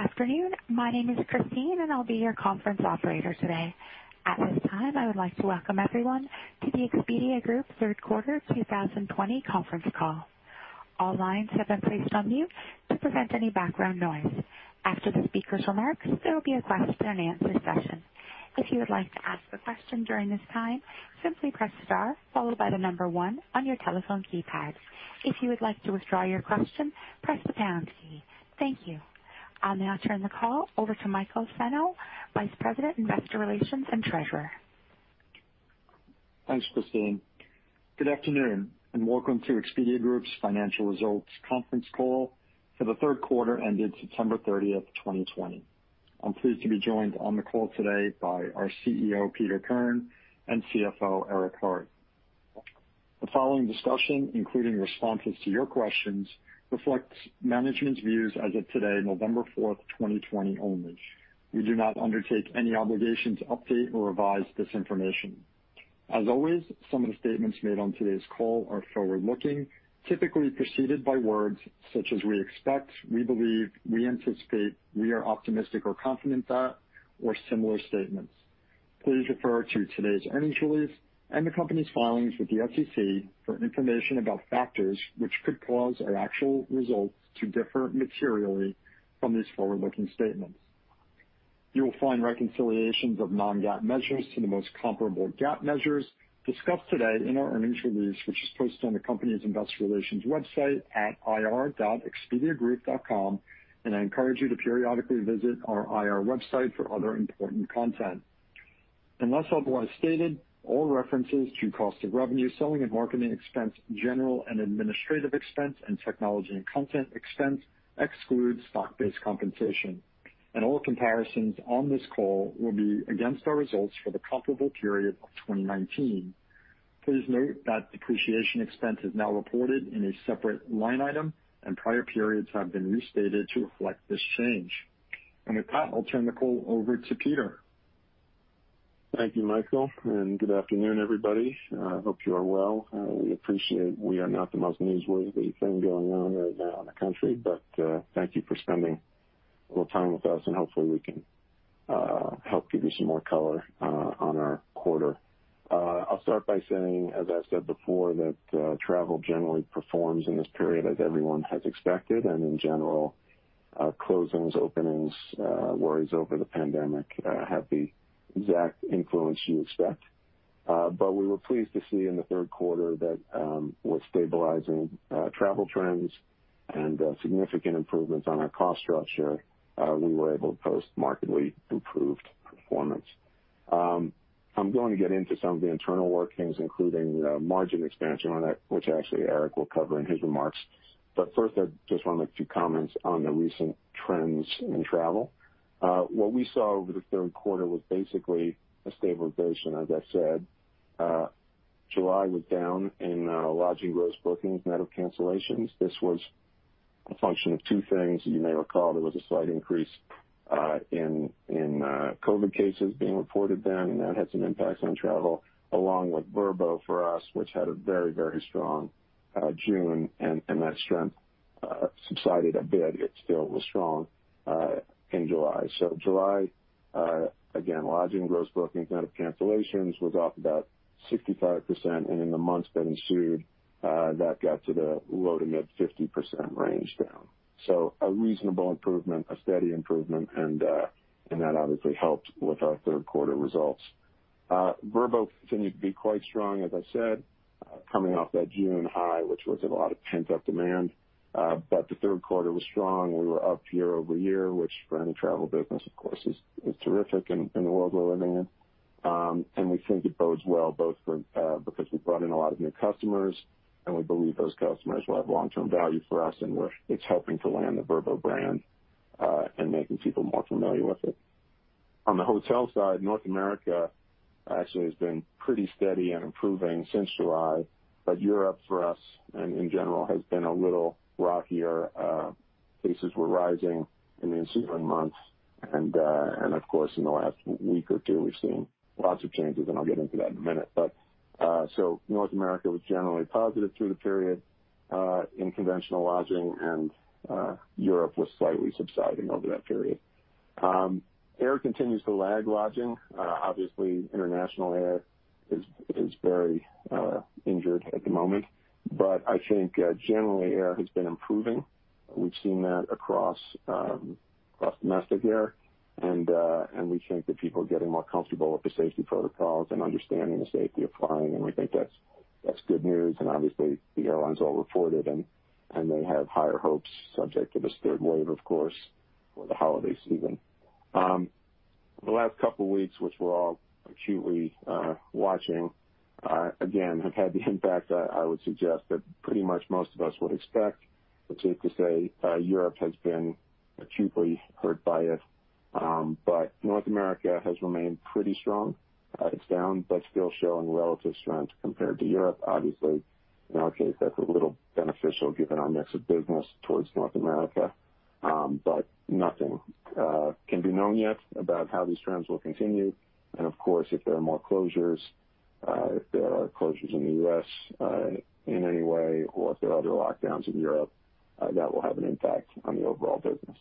Good afternoon. My name is Christine, and I'll be your conference operator today. At this time, I would like to welcome everyone to the Expedia Group third quarter 2020 conference call. All lines have been placed on mute to prevent any background noise. After the speakers' remarks, there will be a question-and-answer session. If you would like to ask a question during this time, simply press star followed by the number one on your telephone keypad. If you would like to withdraw your question, press the pound key. Thank you. I'll now turn the call over to Michael Senno, Vice President, Investor Relations and Treasurer. Thanks, Christine. Good afternoon, and welcome to Expedia Group's financial results conference call for the third quarter ended September 30th, 2020. I'm pleased to be joined on the call today by our CEO, Peter Kern, and CFO, Eric Hart. The following discussion, including responses to your questions, reflects management's views as of today, November 4th, 2020 only. We do not undertake any obligation to update or revise this information. As always, some of the statements made on today's call are forward-looking, typically preceded by words such as we expect. We believe, we anticipate, we are optimistic or confident that, or similar statements. Please refer to today's earnings release and the company's filings with the SEC for information about factors which could cause our actual results to differ materially from these forward-looking statements. You will find reconciliations of non-GAAP measures to the most comparable GAAP measures discussed today in our earnings release, which is posted on the company's investor relations website at ir.expediagroup.com, and I encourage you to periodically visit our IR website for other important content. Unless otherwise stated, all references to cost of revenue, selling and marketing expense, general and administrative expense, and technology and content expense exclude stock-based compensation, and all comparisons on this call will be against our results for the comparable period of 2019. Please note that depreciation expense is now reported in a separate line item, and prior periods have been restated to reflect this change. With that, I'll turn the call over to Peter. Thank you, Michael. Good afternoon, everybody. I hope you are well. We appreciate we are not the most newsworthy thing going on right now in the country. Thank you for spending a little time with us, and hopefully we can help give you some more color on our quarter. I'll start by saying, as I said before, that travel generally performs in this period as everyone has expected. In general, closings, openings, worries over the pandemic have the exact influence you expect. We were pleased to see in the third quarter that with stabilizing travel trends and significant improvements on our cost structure, we were able to post markedly improved performance. I'm going to get into some of the internal workings, including margin expansion on it, which actually Eric will cover in his remarks. First, I just wanted to comment on the recent trends in travel. What we saw over the third quarter was basically a stabilization, as I said. July was down in lodging gross bookings net of cancellations. This was a function of two things. You may recall there was a slight increase in COVID cases being reported then, and that had some impacts on travel, along with Vrbo for us, which had a very strong June, and that strength subsided a bit. It still was strong in July. July, again, lodging gross bookings net of cancellations was off about 65%, and in the months that ensued, that got to the low to mid 50% range down, a reasonable improvement, a steady improvement, and that obviously helped with our third quarter results. Vrbo continued to be quite strong, as I said, coming off that June high, which was a lot of pent-up demand. The third quarter was strong. We were up year-over-year, which for any travel business, of course, is terrific in the world we're living in. We think it bodes well both because we brought in a lot of new customers and we believe those customers will have long-term value for us, and it's helping to land the Vrbo brand and making people more familiar with it. On the hotel side, North America actually has been pretty steady and improving since July, but Europe for us, and in general, has been a little rockier. Cases were rising in the ensuing months, and of course, in the last week or two, we've seen lots of changes, and I'll get into that in a minute. North America was generally positive through the period in conventional lodging, and Europe was slightly subsiding over that period. Air continues to lag lodging. Obviously, international air is very injured at the moment, but I think generally air has been improving. We've seen that across domestic air, and we think that people are getting more comfortable with the safety protocols and understanding the safety of flying, and we think that's good news. Obviously the airlines all reported, and they have higher hopes, subject to this third wave, of course, for the holiday season. The last couple of weeks, which we're all acutely watching, again, have had the impact I would suggest that pretty much most of us would expect. It's safe to say Europe has been acutely hurt by it, but North America has remained pretty strong. It's down, but still showing relative strength compared to Europe. Obviously, in our case, that's a little beneficial given our mix of business towards North America. Nothing can be known yet about how these trends will continue. Of course, if there are more closures in the U.S. in any way, or if there are other lockdowns in Europe, that will have an impact on the overall business.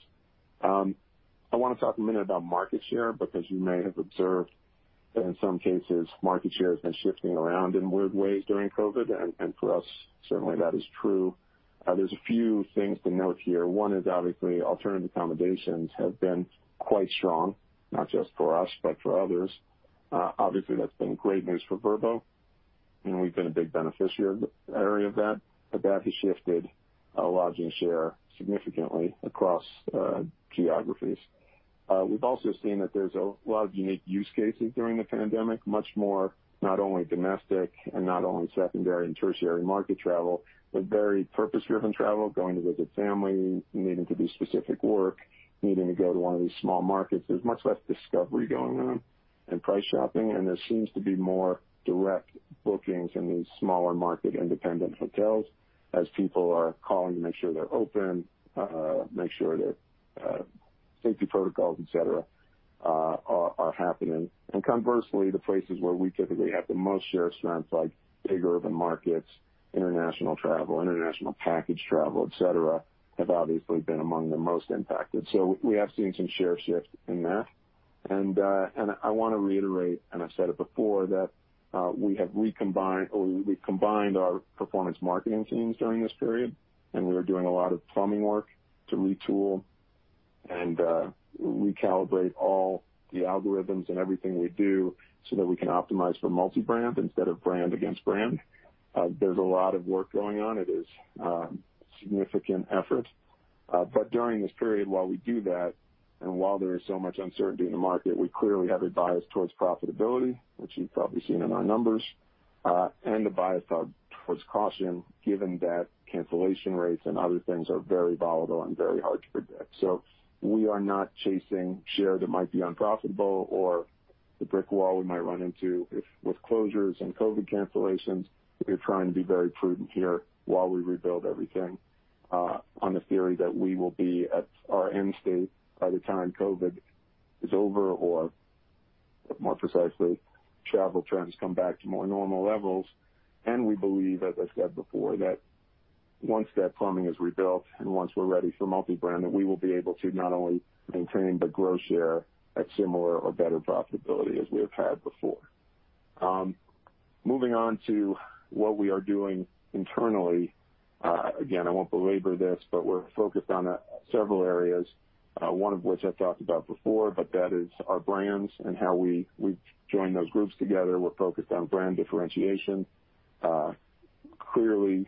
I want to talk a minute about market share, because you may have observed that in some cases, market share has been shifting around in weird ways during COVID, and for us, certainly that is true. There's a few things to note here. One is, obviously, alternative accommodations have been quite strong, not just for us, but for others. Obviously, that's been great news for Vrbo, and we've been a big beneficiary of that, but that has shifted lodging share significantly across geographies. We've also seen that there's a lot of unique use cases during the pandemic, much more, not only domestic and not only secondary and tertiary market travel, but very purpose-driven travel, going to visit family, needing to do specific work, needing to go to one of these small markets. There's much less discovery going on and price shopping. There seems to be more direct bookings in these smaller market independent hotels as people are calling to make sure they're open, make sure that safety protocols, etc., are happening. Conversely, the places where we typically have the most share strengths, like big urban markets, international travel, international package travel, etc., have obviously been among the most impacted. We have seen some share shift in there. I want to reiterate, and I've said it before, that we have recombined or we've combined our performance marketing teams during this period. We are doing a lot of plumbing work to retool and recalibrate all the algorithms and everything we do so that we can optimize for multi-brand instead of brand against brand. There's a lot of work going on. It is significant effort. During this period, while we do that, and while there is so much uncertainty in the market, we clearly have a bias towards profitability, which you've probably seen in our numbers, and a bias towards caution given that cancellation rates and other things are very volatile and very hard to predict. We are not chasing share that might be unprofitable or the brick wall we might run into with closures and COVID cancellations. We are trying to be very prudent here while we rebuild everything on the theory that we will be at our end state by the time COVID is over or, more precisely, travel trends come back to more normal levels. We believe, as I said before, that once that plumbing is rebuilt and once we're ready for multi-branding, we will be able to not only maintain but grow share at similar or better profitability as we have had before. Moving on to what we are doing internally. Again, I won't belabor this, but we're focused on several areas, one of which I've talked about before, but that is our brands and how we join those groups together. We're focused on brand differentiation, clearly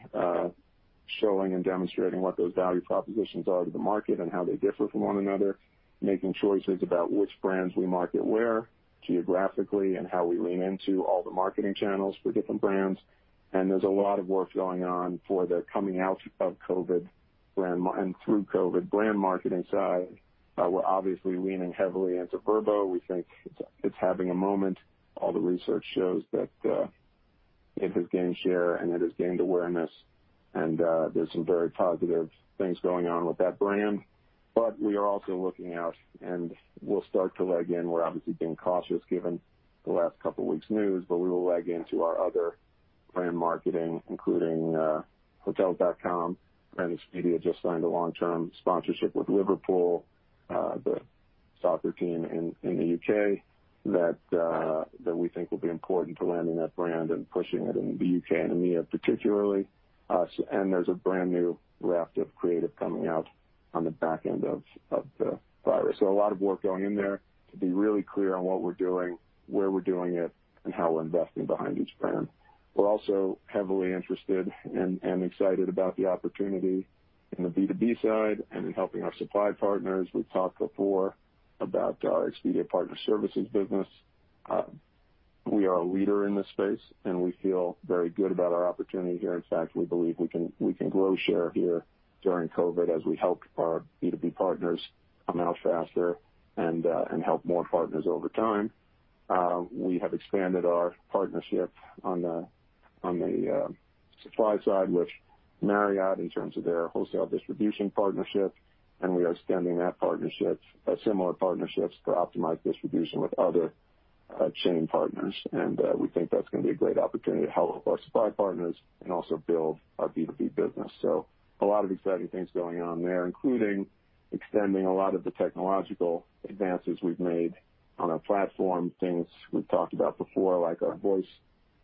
showing and demonstrating what those value propositions are to the market and how they differ from one another, making choices about which brands we market where geographically, and how we lean into all the marketing channels for different brands. There's a lot of work going on for the coming out of COVID and through COVID brand marketing side. We're obviously leaning heavily into Vrbo. We think it's having a moment. All the research shows that it has gained share and it has gained awareness, and there's some very positive things going on with that brand. We are also looking out and we'll start to leg in. We're obviously being cautious given the last couple of weeks' news, we will leg into our other brand marketing, including Hotels.com. Brand Expedia just signed a long-term sponsorship with Liverpool, the soccer team in the U.K., that we think will be important for landing that brand and pushing it in the U.K. and EMEA particularly. There's a brand new raft of creative coming out on the back end of the virus. A lot of work going in there to be really clear on what we're doing, where we're doing it, and how we're investing behind each brand. We're also heavily interested and excited about the opportunity in the B2B side and in helping our supply partners. We've talked before about our Expedia Partner Solutions business. We are a leader in this space, and we feel very good about our opportunity here. In fact, we believe we can grow share here during COVID as we help our B2B partners come out faster and help more partners over time. We have expanded our partnership on the supply side with Marriott in terms of their wholesale distribution partnership, and we are extending that partnership, similar partnerships for optimized distribution with other chain partners. We think that's going to be a great opportunity to help our supply partners and also build our B2B business. A lot of exciting things going on there, including extending a lot of the technological advances we've made on our platform, things we've talked about before, like our voice,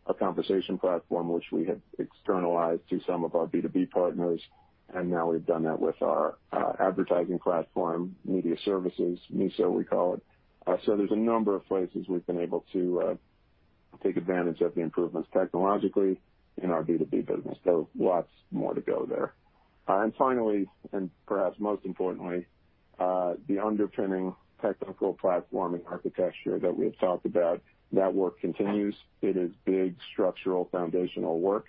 our conversation platform, which we have externalized to some of our B2B partners, and now we've done that with our advertising platform, Media Solutions, MeSo, we call it. There's a number of places we've been able to take advantage of the improvements technologically in our B2B business, though lots more to go there. Finally, and perhaps most importantly, the underpinning technical platform and architecture that we have talked about, that work continues. It is big structural foundational work.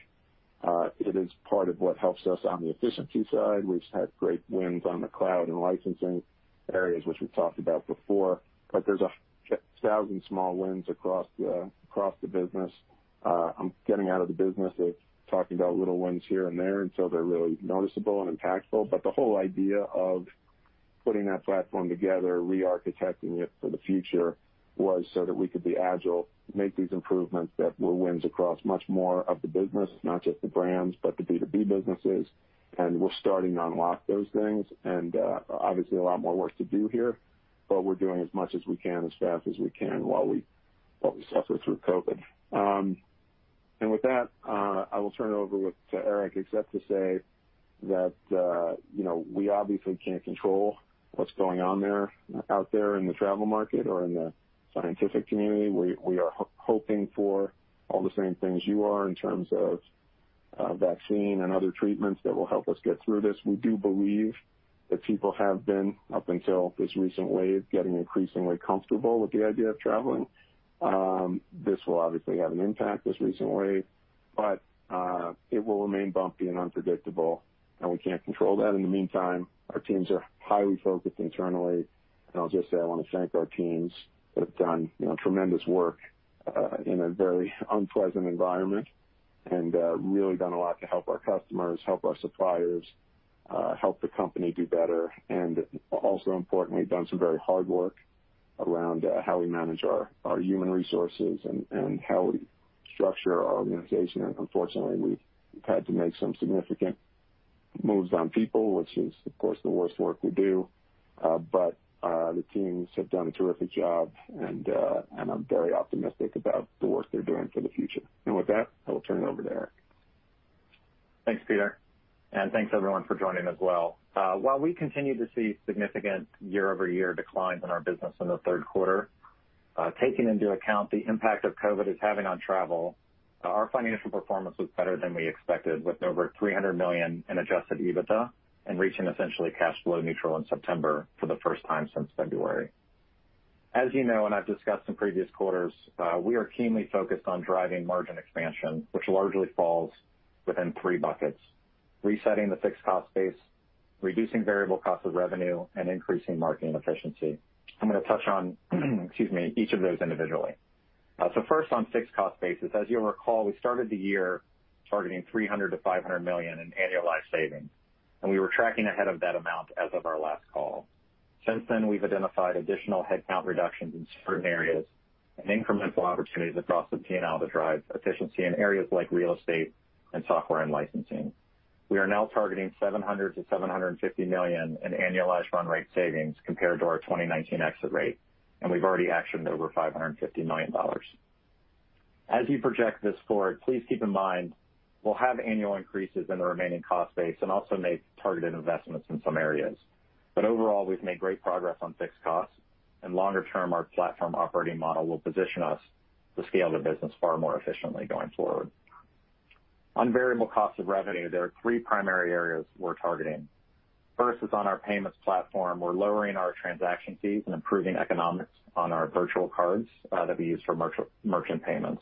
It is part of what helps us on the efficiency side. We've had great wins on the cloud and licensing areas, which we've talked about before, but there's 1,000 small wins across the business., I'm getting out of the business of talking about little wins here and there until they're really noticeable and impactful. The whole idea of putting that platform together, re-architecting it for the future was so that we could be agile, make these improvements that were wins across much more of the business, not just the brands, but the B2B businesses. We're starting to unlock those things, and obviously a lot more work to do here, but we're doing as much as we can, as fast as we can while we suffer through COVID. With that, I will turn it over to Eric, except to say that we obviously can't control what's going on there, out there in the travel market or in the scientific community. We are hoping for all the same things you are in terms of a vaccine and other treatments that will help us get through this. We do believe that people have been, up until this recent wave, getting increasingly comfortable with the idea of traveling. This will obviously have an impact, this recent wave, but it will remain bumpy and unpredictable, and we can't control that. In the meantime, our teams are highly focused internally. I'll just say, I want to thank our teams that have done tremendous work in a very unpleasant environment, and really done a lot to help our customers, help our suppliers, help the company do better. Also importantly, done some very hard work around how we manage our human resources and how we structure our organization. Unfortunately, we've had to make some significant moves on people, which is, of course, the worst work we do. The teams have done a terrific job, and I'm very optimistic about the work they're doing for the future. With that, I will turn it over to Eric. Thanks, Peter, and thanks everyone for joining as well. While we continue to see significant year-over-year declines in our business in the third quarter, taking into account the impact that COVID is having on travel, our financial performance was better than we expected, with over $300 million in adjusted EBITDA and reaching essentially cash flow neutral in September for the first time since February. As you know, and I've discussed in previous quarters, we are keenly focused on driving margin expansion, which largely falls within three buckets. Resetting the fixed cost base, reducing variable cost of revenue, and increasing marketing efficiency. I'm going to touch on excuse me, each of those individually. First on fixed cost basis. As you'll recall, we started the year targeting $300 million-$500 million in annualized savings, and we were tracking ahead of that amount as of our last call. Since then, we've identified additional headcount reductions in certain areas and incremental opportunities across the P&L to drive efficiency in areas like real estate and software and licensing. We are now targeting $700 million-$750 million in annualized run rate savings compared to our 2019 exit rate, and we've already actioned over $550 million. As you project this forward, please keep in mind we'll have annual increases in the remaining cost base and also make targeted investments in some areas. Overall, we've made great progress on fixed costs, and longer term, our platform operating model will position us to scale the business far more efficiently going forward. On variable cost of revenue, there are three primary areas we're targeting. First is on our payments platform. We're lowering our transaction fees and improving economics on our virtual cards that we use for merchant payments.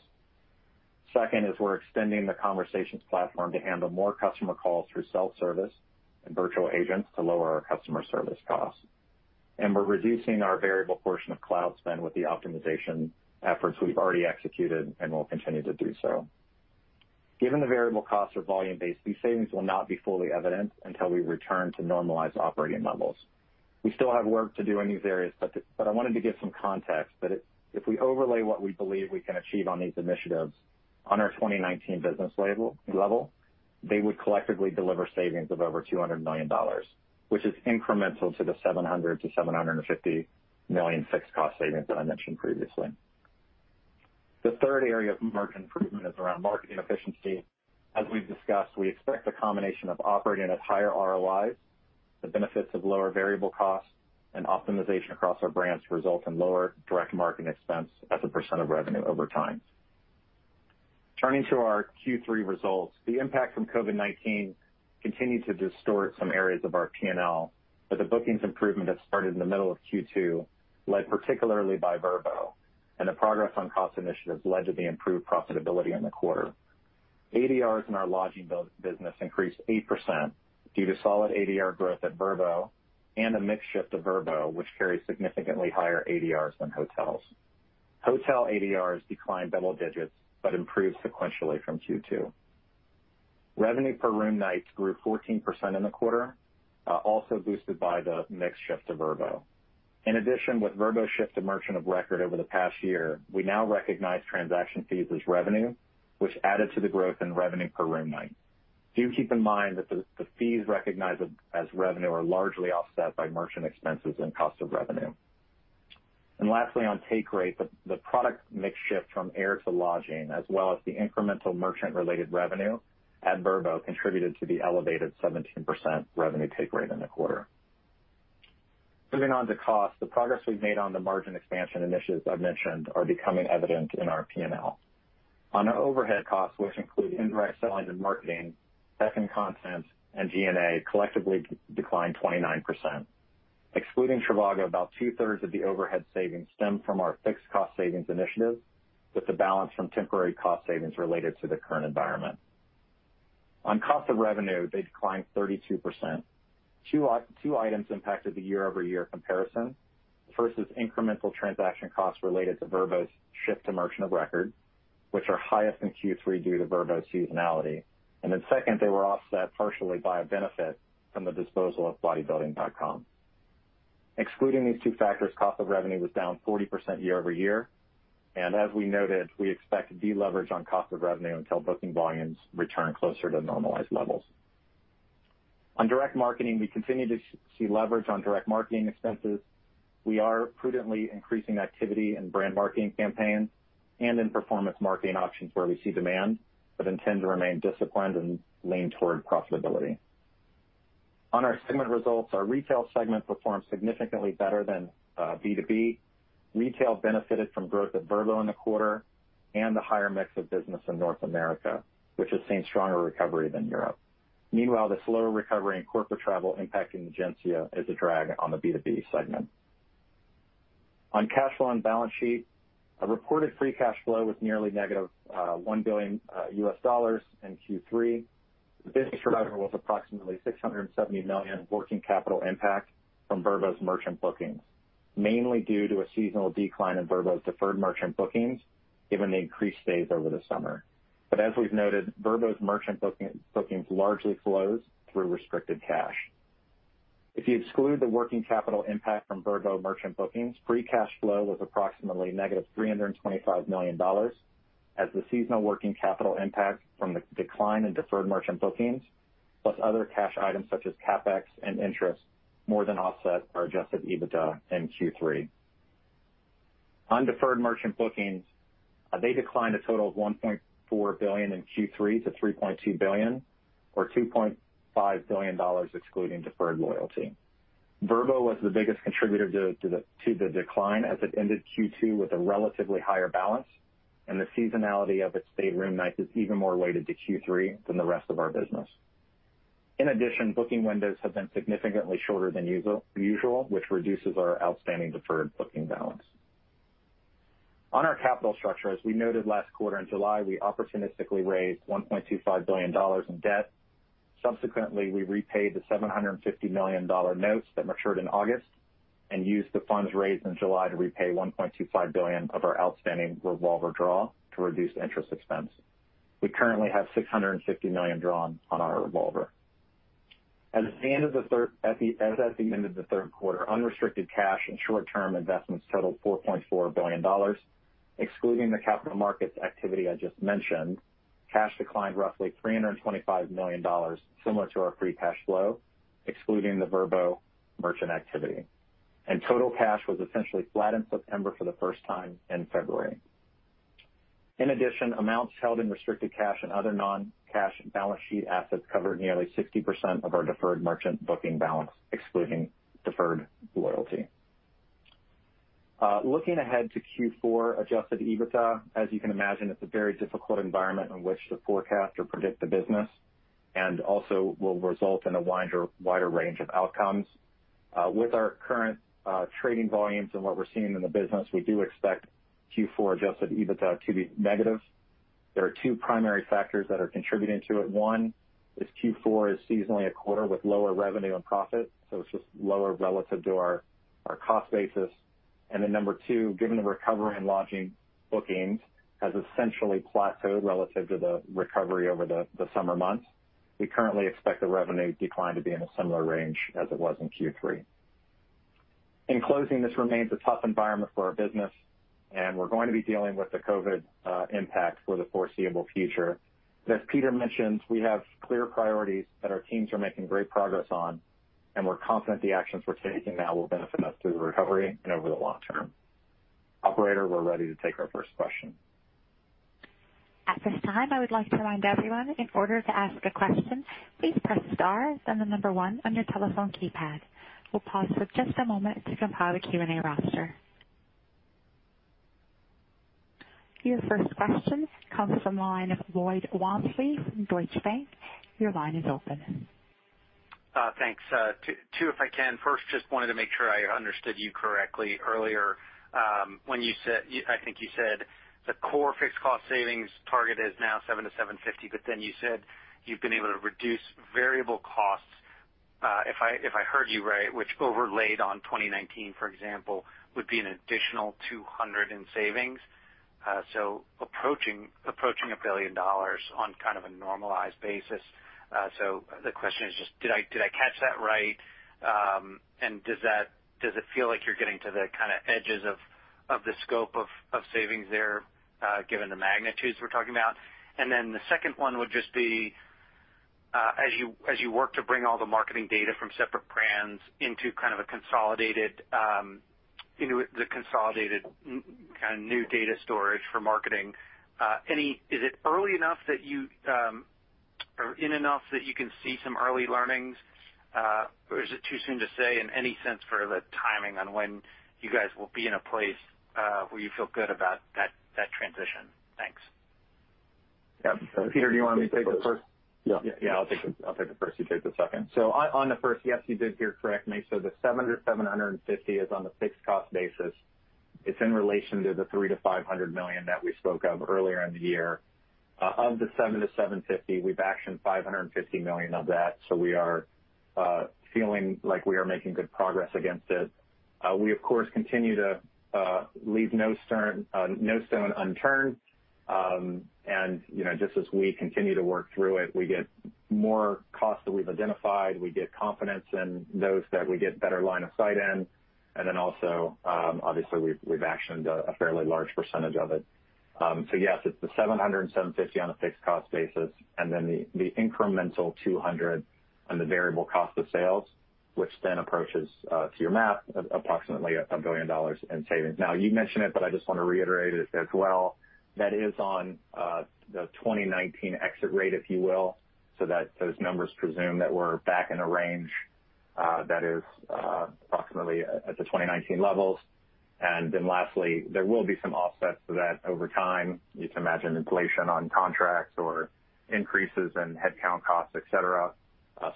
Second is we're extending the conversations platform to handle more customer calls through self-service and virtual agents to lower our customer service costs. We're reducing our variable portion of cloud spend with the optimization efforts we've already executed and will continue to do so. Given the variable costs are volume-based, these savings will not be fully evident until we return to normalized operating levels. We still have work to do in these areas, but I wanted to give some context that if we overlay what we believe we can achieve on these initiatives on our 2019 business level, they would collectively deliver savings of over $200 million, which is incremental to the $700 million-$750 million fixed cost savings that I mentioned previously. The third area of margin improvement is around marketing efficiency. As we've discussed, we expect a combination of operating at higher ROIs, the benefits of lower variable costs, and optimization across our brands to result in lower direct marketing expense as a percent of revenue over time. Turning to our Q3 results, the impact from COVID-19 continued to distort some areas of our P&L, but the bookings improvement that started in the middle of Q2, led particularly by Vrbo, and the progress on cost initiatives led to the improved profitability in the quarter. ADRs in our lodging business increased 8% due to solid ADR growth at Vrbo and a mix shift to Vrbo, which carries significantly higher ADRs than hotels. Hotel ADRs declined double digits but improved sequentially from Q2. Revenue per room nights grew 14% in the quarter, also boosted by the mix shift to Vrbo. In addition, with Vrbo's shift to merchant of record over the past year, we now recognize transaction fees as revenue, which added to the growth in revenue per room night. Do keep in mind that the fees recognized as revenue are largely offset by merchant expenses and cost of revenue. Lastly, on take rate, the product mix shift from air to lodging, as well as the incremental merchant-related revenue at Vrbo contributed to the elevated 17% revenue take rate in the quarter. Moving on to cost. The progress we've made on the margin expansion initiatives I've mentioned are becoming evident in our P&L. On our overhead costs, which include indirect selling and marketing, tech and content, and G&A collectively declined 29%. Excluding trivago, about two-thirds of the overhead savings stem from our fixed cost savings initiative, with the balance from temporary cost savings related to the current environment. On cost of revenue, they declined 32%. Two items impacted the year-over-year comparison. First is incremental transaction costs related to Vrbo's shift to merchant of record, which are highest in Q3 due to Vrbo's seasonality. Second, they were offset partially by a benefit from the disposal of Bodybuilding.com. Excluding these two factors, cost of revenue was down 40% year-over-year, and as we noted, we expect to deleverage on cost of revenue until booking volumes return closer to normalized levels. On direct marketing, we continue to see leverage on direct marketing expenses. We are prudently increasing activity in brand marketing campaigns and in performance marketing options where we see demand, but intend to remain disciplined and lean toward profitability. On our segment results, our retail segment performed significantly better than B2B. Retail benefited from growth at Vrbo in the quarter and the higher mix of business in North America, which has seen stronger recovery than Europe. Meanwhile, the slower recovery in corporate travel impacting Egencia is a drag on the B2B segment. On cash flow and balance sheet, a reported free cash flow was nearly negative $1 billion in Q3. This driver was approximately $670 million working capital impact from Vrbo's merchant bookings, mainly due to a seasonal decline in Vrbo's deferred merchant bookings, given the increased stays over the summer. As we've noted, Vrbo's merchant bookings largely flows through restricted cash. If you exclude the working capital impact from Vrbo merchant bookings, free cash flow was approximately -$325 million, as the seasonal working capital impact from the decline in deferred merchant bookings. Plus other cash items such as CapEx and interest, more than offset our adjusted EBITDA in Q3. On deferred merchant bookings, they declined a total of $1.4 billion in Q3 to $3.2 billion or $2.5 billion excluding deferred loyalty. Vrbo was the biggest contributor to the decline as it ended Q2 with a relatively higher balance, and the seasonality of its stayed room nights is even more weighted to Q3 than the rest of our business. In addition, booking windows have been significantly shorter than usual, which reduces our outstanding deferred booking balance. On our capital structure, as we noted last quarter in July, we opportunistically raised $1.25 billion in debt. Subsequently, we repaid the $750 million notes that matured in August and used the funds raised in July to repay $1.25 billion of our outstanding revolver draw to reduce interest expense. We currently have $650 million drawn on our revolver. As at the end of the third quarter, unrestricted cash and short-term investments totaled $4.4 billion. Excluding the capital markets activity I just mentioned, cash declined roughly $325 million, similar to our free cash flow, excluding the Vrbo merchant activity. Total cash was essentially flat in September for the first time since February. In addition, amounts held in restricted cash and other non-cash balance sheet assets covered nearly 60% of our deferred merchant booking balance, excluding deferred loyalty. Looking ahead to Q4 adjusted EBITDA, as you can imagine, it's a very difficult environment in which to forecast or predict the business, and also will result in a wider range of outcomes. With our current trading volumes and what we're seeing in the business, we do expect Q4 adjusted EBITDA to be negative. There are two primary factors that are contributing to it. One is Q4 is seasonally a quarter with lower revenue and profit, so it's just lower relative to our cost basis. Number two, given the recovery in lodging bookings has essentially plateaued relative to the recovery over the summer months, we currently expect the revenue decline to be in a similar range as it was in Q3. In closing, this remains a tough environment for our business, and we're going to be dealing with the COVID impact for the foreseeable future. As Peter mentioned, we have clear priorities that our teams are making great progress on, and we're confident the actions we're taking now will benefit us through the recovery and over the long term. Operator, we're ready to take our first question. At this time, I would like to remind everyone, in order to ask a question, please press star, then the number one on your telephone keypad. We'll pause for just a moment to compile a Q&A roster. Your first question comes from the line of Lloyd Walmsley from Deutsche Bank. Your line is open. Thanks. Two if I can. First, just wanted to make sure I understood you correctly earlier, when you said, I think you said the core fixed cost savings target is now seven to $750, but then you said you've been able to reduce variable costs, if I heard you right, which overlaid on 2019, for example, would be an additional $200 in savings. Approaching $1 billion on a normalized basis. The question is just did I catch that right? And does it feel like you're getting to the edges of the scope of savings there, given the magnitudes we're talking about? The second one would just be, as you work to bring all the marketing data from separate brands into the consolidated new data storage for marketing, is it early enough that you or in enough that you can see some early learnings? Is it too soon to say in any sense for the timing on when you guys will be in a place, where you feel good about that transition? Thanks. Yeah. Peter, do you want me to take the first? Yeah. Yeah, I'll take the first. You take the second. On the first, yes, you did hear correctly. The $700 million-$750 million is on the fixed cost basis. It's in relation to the $300 million-$500 million that we spoke of earlier in the year. Of the $700 million-$750 million, we've actioned $550 million of that, we are feeling like we are making good progress against it. We, of course, continue to leave no stone unturned. Just as we continue to work through it, we get more costs that we've identified. We get confidence in those that we get better line of sight in, then also, obviously, we've actioned a fairly large percentage of it. Yes, it's the $700 and $750 on a fixed cost basis, the incremental $200 on the variable cost of sales, which then approaches, to your math, approximately $1 billion in savings. You mentioned it, but I just want to reiterate it as well. That is on the 2019 exit rate, if you will, so that those numbers presume that we're back in a range that is approximately at the 2019 levels. Lastly, there will be some offsets to that over time. You can imagine inflation on contracts or increases in headcount costs, etc,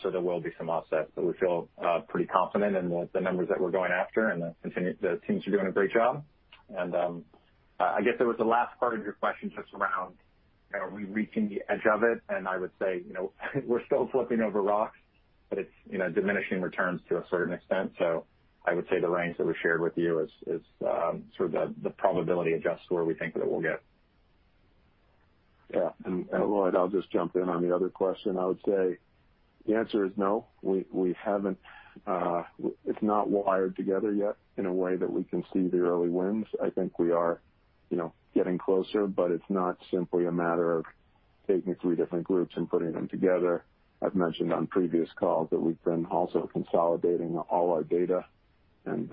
so there will be some offsets. We feel pretty confident in the numbers that we're going after, and the teams are doing a great job. I guess there was the last part of your question just around, are we reaching the edge of it? I would say we're still flipping over rocks, but it's diminishing returns to a certain extent. I would say the range that we shared with you is sort of the probability adjust to where we think that we'll get. Yeah. Lloyd, I'll just jump in on the other question. I would say the answer is no, we haven't. It's not wired together yet in a way that we can see the early wins. I think we are getting closer, but it's not simply a matter of taking three different groups and putting them together. I've mentioned on previous calls that we've been also consolidating all our data and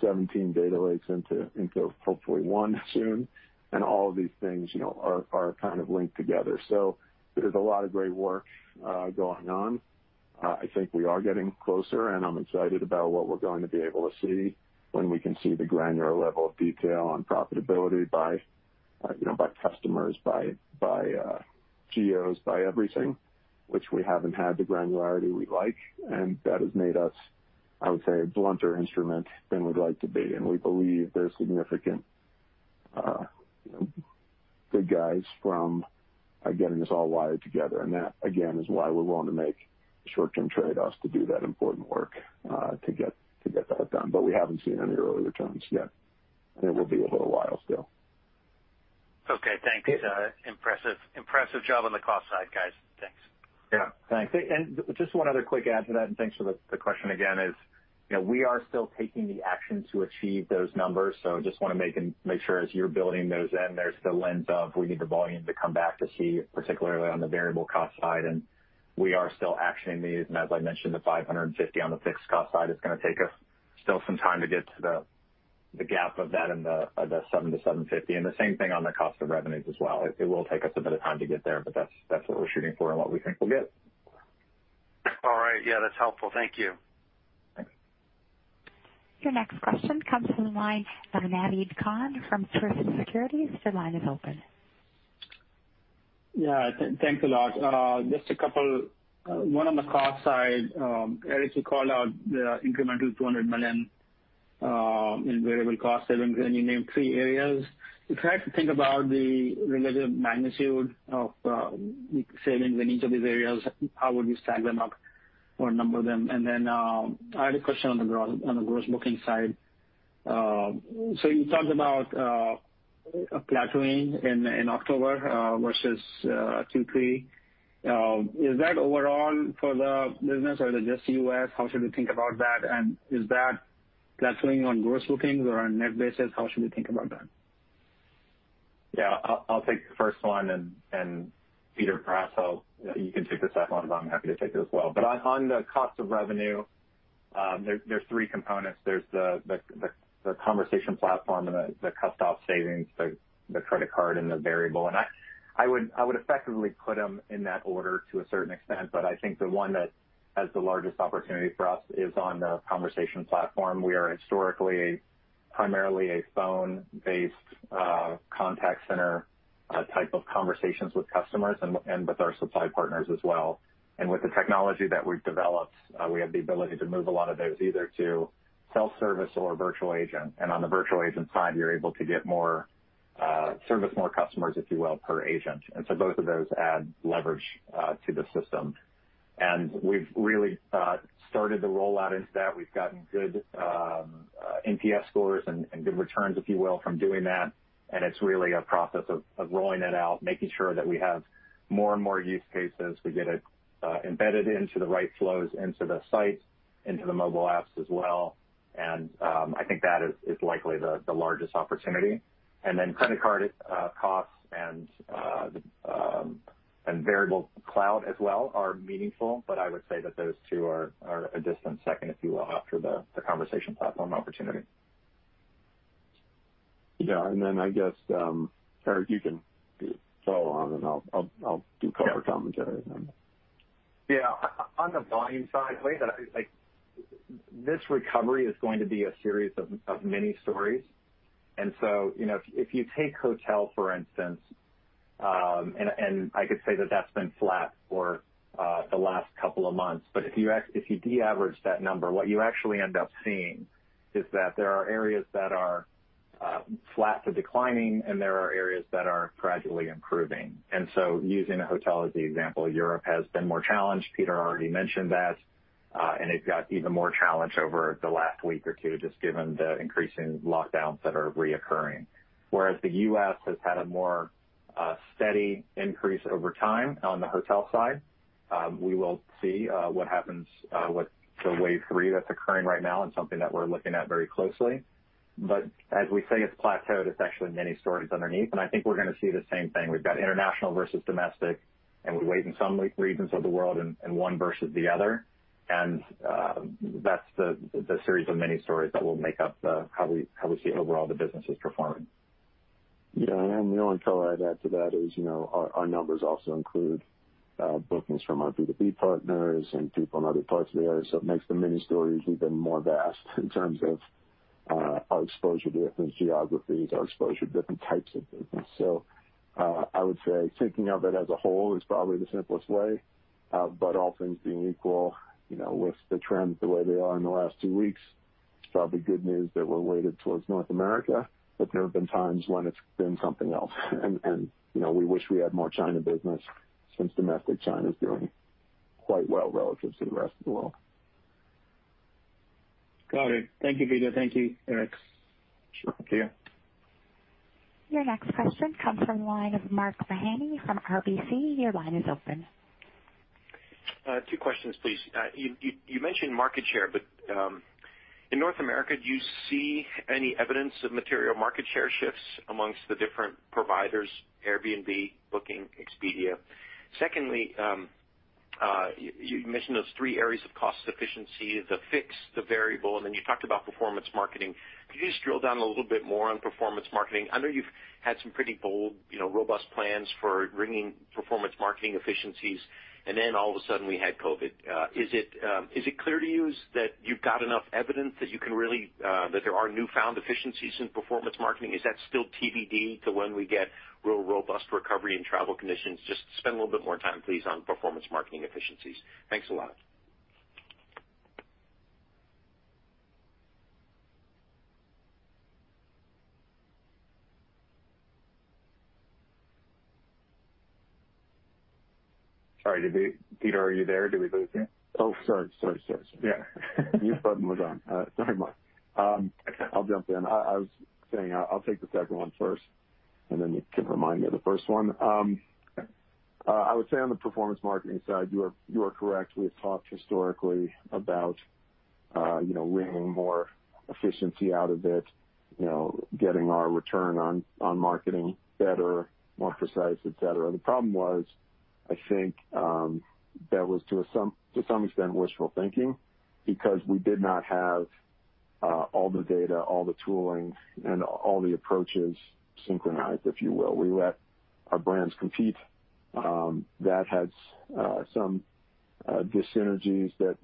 17 data lakes into hopefully one soon. All of these things are kind of linked together. There's a lot of great work going on. I think we are getting closer, and I'm excited about what we're going to be able to see when we can see the granular level of detail on profitability by customers, by geos, by everything, which we haven't had the granularity we'd like. That has made us, I would say, a blunter instrument than we'd like to be. We believe there's significant good guys from getting this all wired together. That, again, is why we're willing to make short-term trade-offs to do that important work to get that done. We haven't seen any early returns yet. It will be a little while still. Okay, thanks. Impressive job on the cost side, guys. Thanks. Yeah. Thanks. Just one other quick add to that, and thanks for the question again is, we are still taking the action to achieve those numbers. Just want to make sure as you're building those in, there's the lens of we need the volume to come back to see, particularly on the variable cost side, and we are still actioning these. As I mentioned, the $550 on the fixed cost side is going to take us still some time to get to the gap of that and the $700-$750. The same thing on the cost of revenues as well. It will take us a bit of time to get there, but that's what we're shooting for and what we think we'll get. All right. Yeah, that's helpful. Thank you. Thanks. Your next question comes from the line of Naved Khan from Truist Securities. Your line is open. Yeah, thanks a lot. Just a couple. One on the cost side. Eric, you called out the incremental $200 million in variable costs, then you named three areas. If you had to think about the relative magnitude of the savings in each of these areas, how would you stack them up or number them? Then I had a question on the gross booking side. You talked about plateauing in October versus Q3. Is that overall for the business or is it just U.S.? How should we think about that? Is that plateauing on gross bookings or on net basis? How should we think about that? Yeah, I'll take the first one, and Peter, perhaps you can take the second one, but I'm happy to take it as well. On the cost of revenue, there's three components. There's the conversation platform and the cust ops savings, the credit card, and the variable. I would effectively put them in that order to a certain extent, but I think the one that has the largest opportunity for us is on the conversation platform. We are historically primarily a phone-based contact center type of conversations with customers and with our supply partners as well. With the technology that we've developed, we have the ability to move a lot of those either to self-service or virtual agent. On the virtual agent side, you're able to service more customers, if you will, per agent. Both of those add leverage to the system. We've really started the rollout into that. We've gotten good NPS scores and good returns, if you will, from doing that, and it's really a process of rolling it out, making sure that we have more and more use cases. We get it embedded into the right flows into the sites, into the mobile apps as well. I think that is likely the largest opportunity. Then credit card costs and variable cloud as well are meaningful, but I would say that those two are a distant second, if you will, after the conversation platform opportunity. Yeah, I guess, Eric, you can follow on and I'll do color commentary then. On the volume side, way that this recovery is going to be a series of mini stories. If you take hotel, for instance. And I could say that's been flat for the last couple of months, but if you de-average that number, what you actually end up seeing is that there are areas that are flat to declining, and there are areas that are gradually improving. Using a hotel as the example, Europe has been more challenged. Peter already mentioned that, and it got even more challenged over the last week or two, just given the increasing lockdowns that are reoccurring. Whereas the U.S. has had a more steady increase over time on the hotel side. We will see what happens with the wave three that's occurring right now and something that we're looking at very closely. As we say, it's plateaued, it's actually many stories underneath, and I think we're going to see the same thing. We've got international versus domestic, and we wait in some regions of the world in one versus the other. That's the series of many stories that will make up how we see overall the business is performing. Yeah. The only thing I'd add to that is our numbers also include bookings from our B2B partners and people in other parts of the earth, so it makes the mini stories even more vast in terms of our exposure to different geographies, our exposure to different types of business. I would say thinking of it as a whole is probably the simplest way, but all things being equal, with the trends the way they are in the last two weeks, it's probably good news that we're weighted towards North America, but there have been times when it's been something else. We wish we had more China business since domestic China is doing quite well relative to the rest of the world. Got it. Thank you, Peter. Thank you, Eric. Sure. See you. Your next question comes from the line of Mark Mahaney from RBC. Your line is open. Two questions, please. You mentioned market share, but in North America, do you see any evidence of material market share shifts amongst the different providers, Airbnb, Booking, Expedia? Secondly, you mentioned those three areas of cost efficiency, the fixed, the variable, and then you talked about performance marketing. Could you just drill down a little bit more on performance marketing? I know you've had some pretty bold, robust plans for wringing performance, marketing efficiencies, and then all of a sudden we had COVID. Is it clear to you that you've got enough evidence that there are newfound efficiencies in performance marketing? Is that still TBD to when we get real robust recovery in travel conditions? Just spend a little bit more time, please, on performance marketing efficiencies. Thanks a lot. Sorry, Peter, are you there? Did we lose you? Oh, sorry. Sorry. Yeah. Mute button was on. Sorry, Mark. I'll jump in. I was saying, I'll take the second one first, and then you can remind me of the first one. I would say on the performance marketing side, you are correct. We have talked historically about wringing more efficiency out of it, getting our return on marketing better, more precise, etc. The problem was, I think, that was to some extent wishful thinking because we did not have all the data, all the tooling, and all the approaches synchronized, if you will. We let our brands compete. That had some dyssynergies that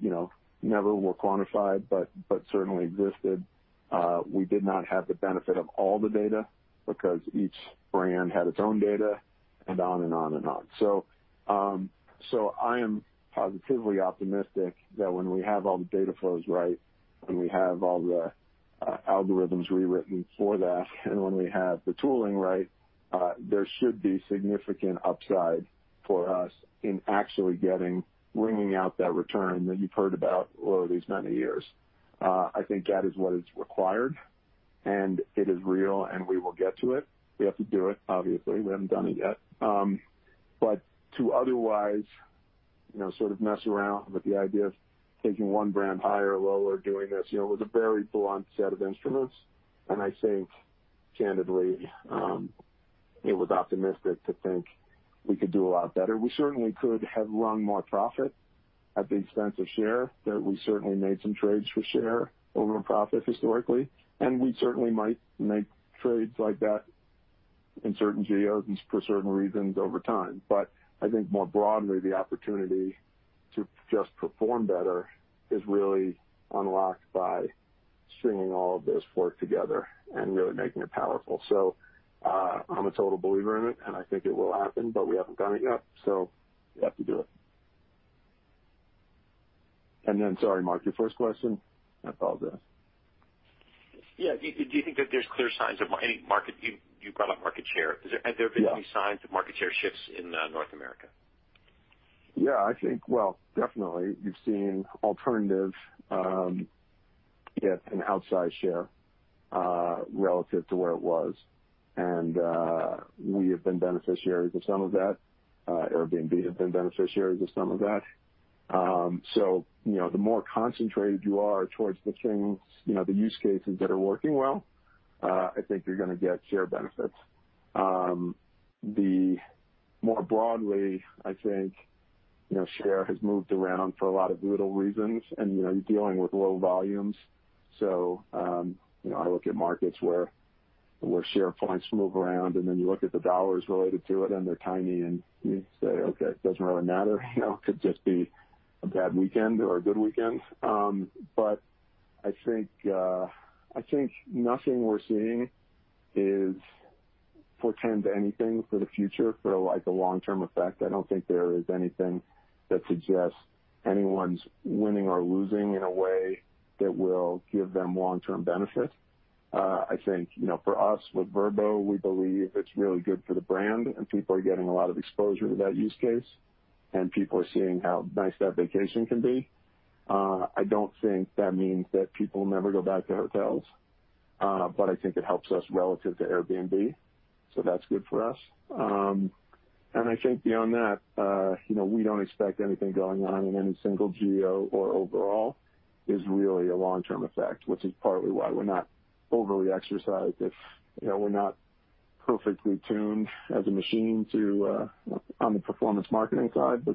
never were quantified but certainly existed. We did not have the benefit of all the data because each brand had its own data, and on and on. I am positively optimistic that when we have all the data flows right, when we have all the algorithms rewritten for that, and when we have the tooling right, there should be significant upside for us in actually wringing out that return that you've heard about over these many years. I think that is what is required, and it is real, and we will get to it. We have to do it, obviously. We haven't done it yet. To otherwise sort of mess around with the idea of taking one brand higher or lower, doing this with a very blunt set of instruments, and I think candidly, it was optimistic to think we could do a lot better. We certainly could have rung more profit at the expense of share. That we certainly made some trades for share over profit historically, and we certainly might make trades like that in certain geos and for certain reasons over time. I think more broadly, the opportunity to just perform better is really unlocked by stringing all of this work together and really making it powerful. I'm a total believer in it, and I think it will happen, but we haven't done it yet, so we have to do it. Then, sorry, Mark, your first question? I apologize. Yeah. You brought up market share. Have there been any signs of market share shifts in North America? Yeah, I think, well, definitely. You've seen alternatives get an outsized share relative to where it was, and we have been beneficiaries of some of that. Airbnb have been beneficiaries of some of that. The more concentrated you are towards the use cases that are working well, I think you're going to get share benefits. More broadly, I think share has moved around for a lot of brutal reasons, and you're dealing with low volumes. I look at markets where share points move around, and then you look at the dollars related to it, and they're tiny, and you say, Okay, it doesn't really matter. Could just be a bad weekend or a good weekend. I think nothing we're seeing is portend to anything for the future for a long-term effect. I don't think there is anything that suggests anyone's winning or losing in a way that will give them long-term benefit. I think, for us with Vrbo, we believe it's really good for the brand, and people are getting a lot of exposure to that use case, and people are seeing how nice that vacation can be. I don't think that means that people will never go back to hotels, but I think it helps us relative to Airbnb, so that's good for us. I think beyond that, we don't expect anything going on in any single geo or overall is really a long-term effect, which is partly why we're not overly exercised if we're not perfectly tuned as a machine on the performance marketing side.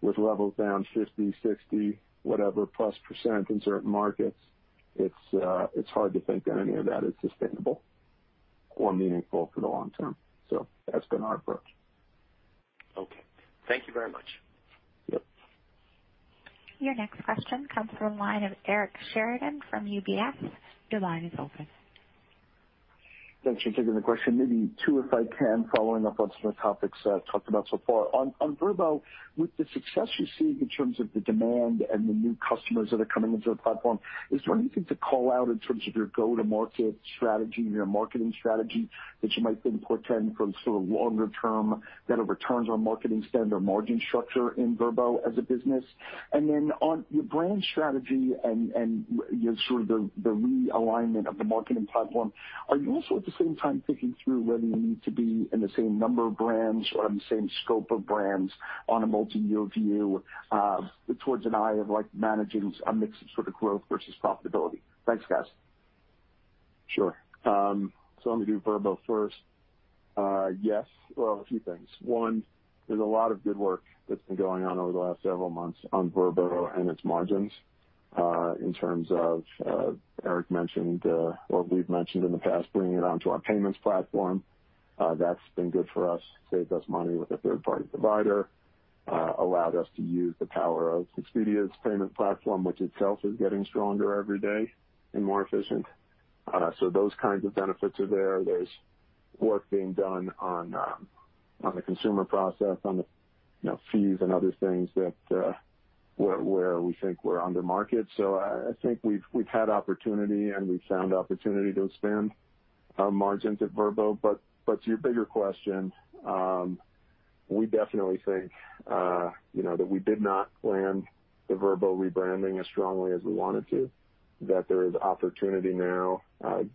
With levels down 50%, 60%, whatever plus percent in certain markets, it's hard to think that any of that is sustainable or meaningful for the long term. That's been our approach. Okay. Thank you very much. Yep. Your next question comes from line of Eric Sheridan from UBS. Your line is open. Thanks for taking the question. Maybe two, if I can, following up on some of the topics talked about so far. On Vrbo, with the success you're seeing in terms of the demand and the new customers that are coming into the platform, is there anything to call out in terms of your go-to-market strategy, your marketing strategy that you might think portend from sort of longer term better returns on marketing spend or margin structure in Vrbo as a business? On your brand strategy and sort of the realignment of the marketing platform. Are you also at the same time thinking through whether you need to be in the same number of brands or in the same scope of brands on a multi-year view towards an eye of managing a mix of sort of growth versus profitability? Thanks, guys. Sure. Let me do Vrbo first. Yes. Well, a few things. One, there's a lot of good work that's been going on over the last several months on Vrbo and its margins, in terms of Eric mentioned or we've mentioned in the past, bringing it onto our payments platform. That's been good for us, saved us money with a third-party provider, allowed us to use the power of Expedia's payment platform, which itself is getting stronger every day and more efficient. Those kinds of benefits are there. There's work being done on the consumer process, on the fees and other things where we think we're under market. I think we've had opportunity and we've found opportunity to expand our margins at Vrbo. To your bigger question, we definitely think that we did not land the Vrbo rebranding as strongly as we wanted to, that there is opportunity now.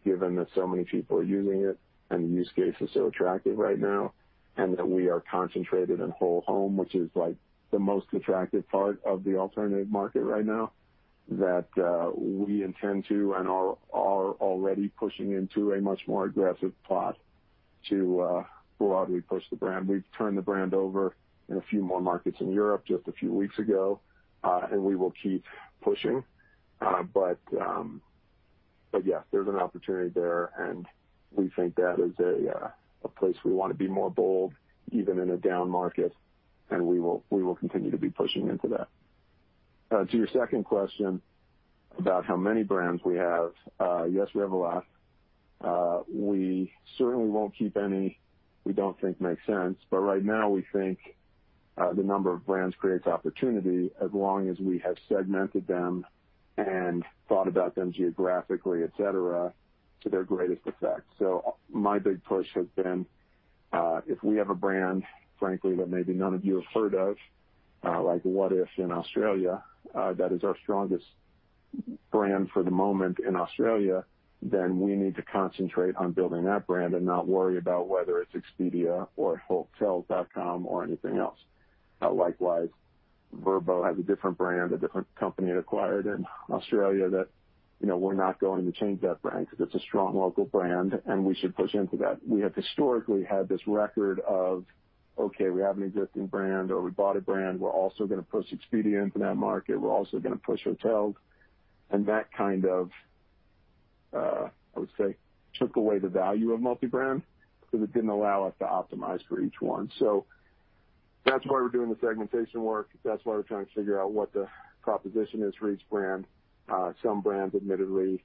Given that so many people are using it and the use case is so attractive right now, and that we are concentrated in whole home, which is the most attractive part of the alternative market right now, that we intend to and are already pushing into a much more aggressive plot to broadly push the brand. We've turned the brand over in a few more markets in Europe just a few weeks ago, and we will keep pushing. Yes, there's an opportunity there, and we think that is a place we want to be more bold, even in a down market, and we will continue to be pushing into that. To your second question about how many brands we have, yes, we have a lot. We certainly won't keep any we don't think makes sense, but right now we think the number of brands creates opportunity as long as we have segmented them and thought about them geographically, etc., to their greatest effect. My big push has been, if we have a brand, frankly, that maybe none of you have heard of, like Wotif in Australia, that is our strongest brand for the moment in Australia, then we need to concentrate on building that brand and not worry about whether it's Expedia or Hotels.com or anything else. Likewise, Vrbo has a different brand, a different company it acquired in Australia that we're not going to change that brand because it's a strong local brand, and we should push into that. We have historically had this record of, okay, we have an existing brand or we bought a brand, we're also going to push Expedia into that market. We're also going to push Hotels, and that kind of, I would say, took away the value of multi-brand because it didn't allow us to optimize for each one. That's why we're doing the segmentation work. That's why we're trying to figure out what the proposition is for each brand. Some brands, admittedly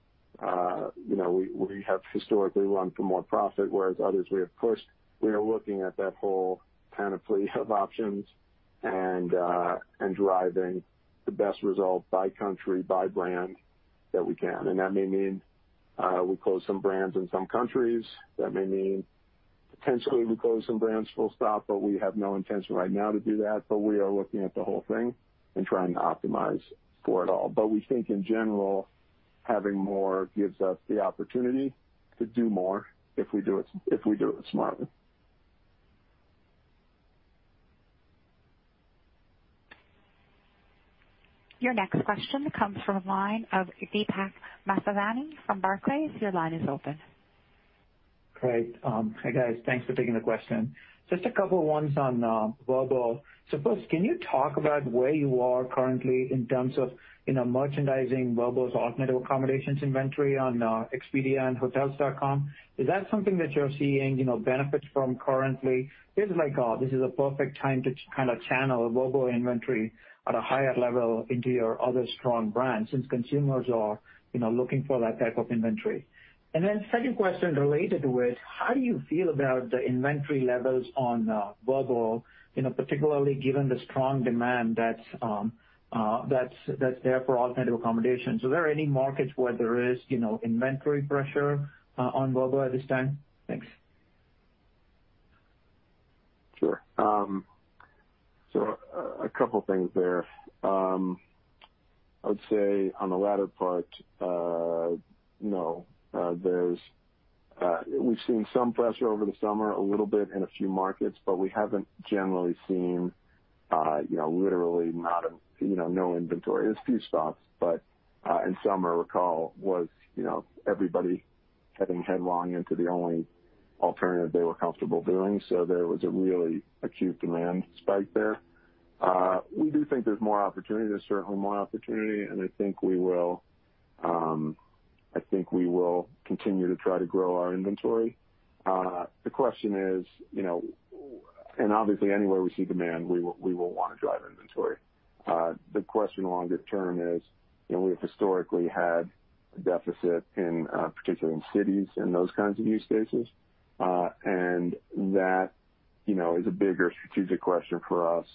we have historically run for more profit, whereas others we have pushed. We are looking at that whole panoply of options and driving the best result by country, by brand that we can. That may mean we close some brands in some countries. That may mean potentially we close some brands full stop, but we have no intention right now to do that. We are looking at the whole thing and trying to optimize for it all. We think in general, having more gives us the opportunity to do more if we do it smartly. Your next question comes from line of Deepak Mathivanan from Barclays. Your line is open. Great. Hi guys, thanks for taking the question. Just a couple ones on Vrbo. First, can you talk about where you are currently in terms of merchandising Vrbo's alternative accommodations inventory on Expedia and Hotels.com? Is that something that you're seeing benefits from currently? Feels like this is a perfect time to channel Vrbo inventory at a higher level into your other strong brands, since consumers are looking for that type of inventory. Second question related to it. How do you feel about the inventory levels on Vrbo, particularly given the strong demand that's there for alternative accommodations? Are there any markets where there is inventory pressure on Vrbo at this time? Thanks. Sure. A couple things there. I would say on the latter part, no. We've seen some pressure over the summer, a little bit in a few markets, but we haven't generally seen literally no inventory. There's a few spots, but in summer, recall, was everybody heading headlong into the only alternative they were comfortable doing. There was a really acute demand spike there. We do think there's more opportunity. There's certainly more opportunity. I think we will continue to try to grow our inventory. Obviously anywhere we see demand, we will want to drive inventory. The question longer term is, we have historically had a deficit in particular in cities, in those kinds of use cases. That is a bigger strategic question for us.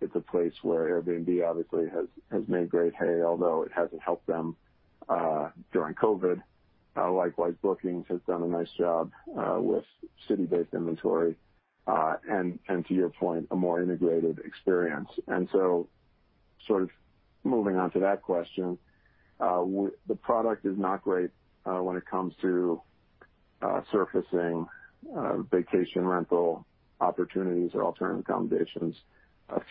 It's a place where Airbnb obviously has made great hay, although it hasn't helped them during COVID. Likewise, Booking has done a nice job with city-based inventory. To your point, a more integrated experience. Sort of moving on to that question, the product is not great when it comes to surfacing vacation rental opportunities or alternative accommodations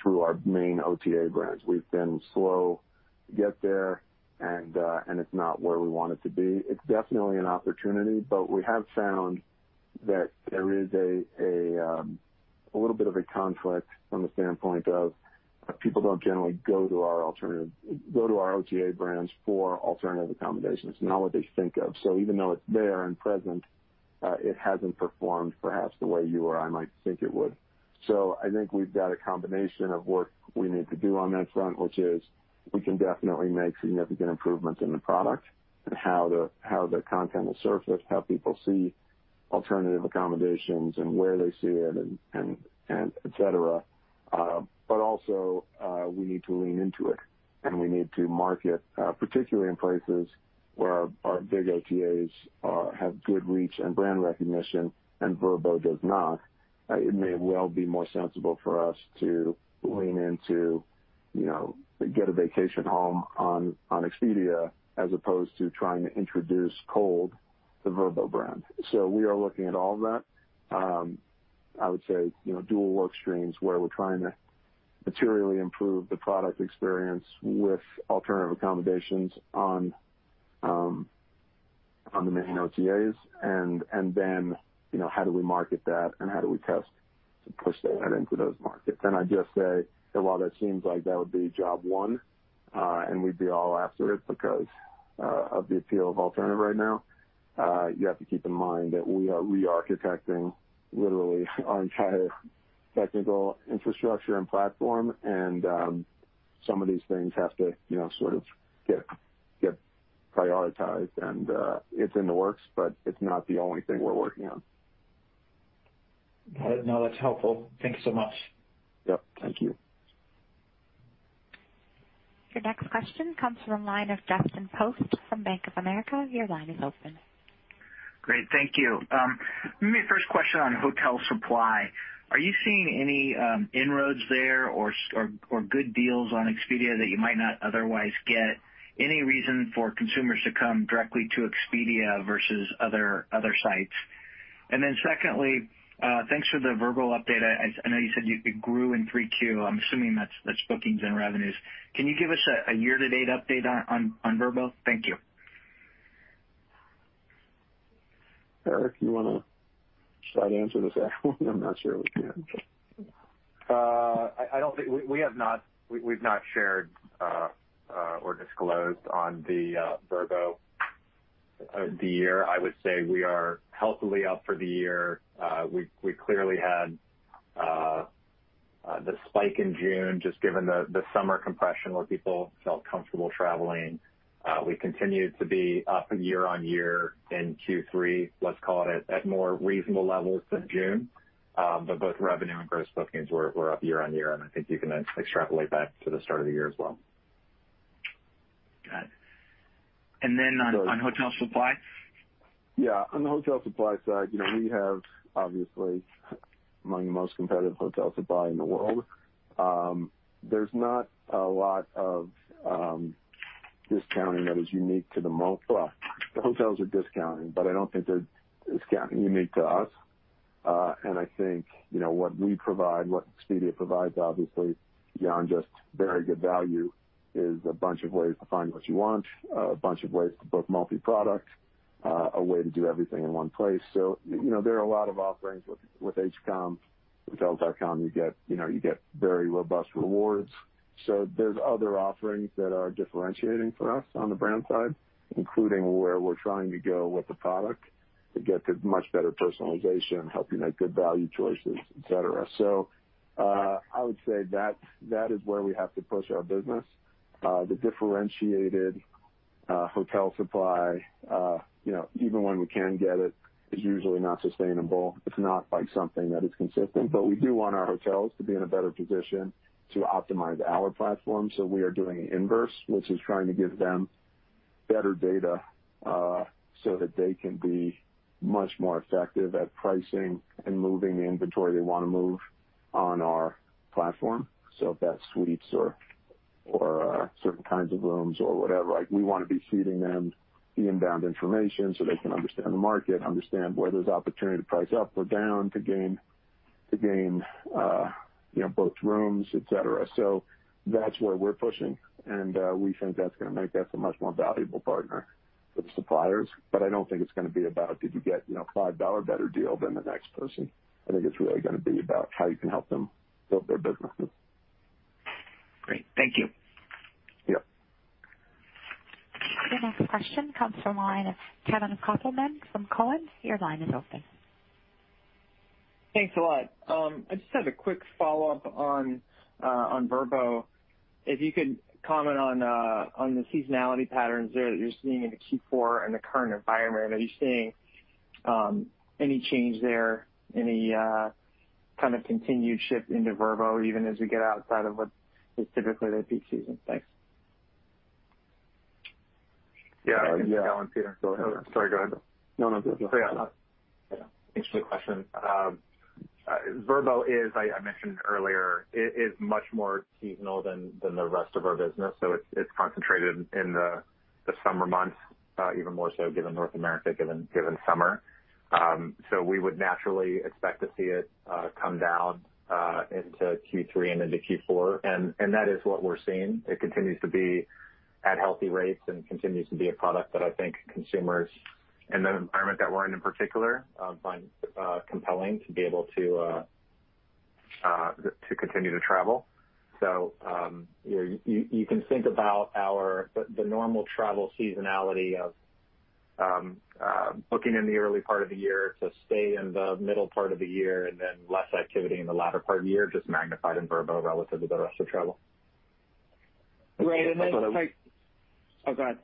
through our main OTA brands. We've been slow to get there, and it's not where we want it to be. It's definitely an opportunity, we have found that there is a little bit of a conflict from the standpoint of people don't generally go to our OTA brands for alternative accommodations. It's not what they think of. Even though it's there and present, it hasn't performed perhaps the way you or I might think it would. I think we've got a combination of work we need to do on that front, which is we can definitely make significant improvements in the product and how the content will surface, how people see alternative accommodations and where they see it, and etc. Also, we need to lean into it, and we need to market, particularly in places where our big OTAs have good reach and brand recognition, and Vrbo does not. It may well be more sensible for us to lean into get a vacation home on Expedia as opposed to trying to introduce cold the Vrbo brand. We are looking at all of that. I would say, dual work streams where we're trying to materially improve the product experience with alternative accommodations on the main OTAs and then, how do we market that and how do we test to push that into those markets? I'd just say, while that seems like that would be job one, and we'd be all after it because of the appeal of alternative right now, you have to keep in mind that we are re-architecting literally our entire technical infrastructure and platform, and some of these things have to sort of get prioritized and, it's in the works, but it's not the only thing we're working on. Got it. No, that's helpful. Thank you so much. Yep. Thank you. Your next question comes from the line of Justin Post from Bank of America. Your line is open. Great. Thank you. Let me first question on hotel supply. Are you seeing any inroads there or good deals on Expedia that you might not otherwise get? Any reason for consumers to come directly to Expedia versus other sites? Secondly, thanks for the Vrbo update. I know you said you grew in Q3, I'm assuming that's bookings and revenues. Can you give us a year-to-date update on Vrbo? Thank you. Eric, you want to try to answer this? I'm not sure we can. We've not shared or disclosed on the Vrbo the year. I would say we are healthily up for the year. We clearly had the spike in June, just given the summer compression where people felt comfortable traveling. We continued to be up year-on-year in Q3, let's call it at more reasonable levels than June. Both revenue and gross bookings were up year-on-year, and I think you can then extrapolate that to the start of the year as well. Got it. On hotel supply? Yeah. On the hotel supply side, we have obviously among the most competitive hotel supply in the world. There's not a lot of discounting that is unique to. Well, the hotels are discounting, but I don't think they're discounting unique to us. I think what we provide, what Expedia provides, obviously beyond just very good value, is a bunch of ways to find what you want, a bunch of ways to book multi-product, a way to do everything in one place. There are a lot of offerings with HCOM. With Hotels.com, you get very robust rewards. There's other offerings that are differentiating for us on the brand side, including where we're trying to go with the product to get to much better personalization, help you make good value choices, etc. I would say that is where we have to push our business. The differentiated hotel supply, even when we can get it, is usually not sustainable. It's not something that is consistent, but we do want our hotels to be in a better position to optimize our platform. We are doing an inverse, which is trying to give them better data, so that they can be much more effective at pricing and moving the inventory they want to move on our platform. If that's suites or certain kinds of rooms or whatever, we want to be feeding them the inbound information so they can understand the market, understand where there's opportunity to price up or down to gain both rooms, etc. That's where we're pushing, and we think that's going to make us a much more valuable partner with suppliers. I don't think it's going to be about did you get a $5 better deal than the next person. I think it's really going to be about how you can help them build their businesses. Great. Thank you. Yep. Your next question comes from the line of Kevin Kopelman from Cowen. Your line is open. Thanks a lot. I just had a quick follow-up on Vrbo. If you could comment on the seasonality patterns there that you're seeing into Q4 and the current environment. Are you seeing any change there? Any kind of continued shift into Vrbo even as we get outside of what is typically their peak season? Thanks. Yeah. Yeah. Peter, go ahead. Sorry, go ahead. No, no. It's okay. Yeah. Thanks for the question. Vrbo is, I mentioned earlier, it is much more seasonal than the rest of our business, so it's concentrated in the summer months, even more so given North America, given summer. We would naturally expect to see it come down into Q3 and into Q4. That is what we're seeing. It continues to be at healthy rates and continues to be a product that I think consumers, in the environment that we're in particular, find compelling to be able to continue to travel. You can think about the normal travel seasonality of booking in the early part of the year to stay in the middle part of the year, and then less activity in the latter part of the year, just magnified in Vrbo relative to the rest of travel. Right. Oh, go ahead.